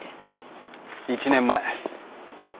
１年前。